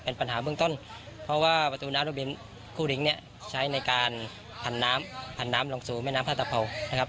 เป็นปัญหาเบื้องต้นเพราะว่าประตูน้ำรถบินคู่ลิงเนี่ยใช้ในการผันน้ำพันน้ำลงสู่แม่น้ำท่าตะเผานะครับ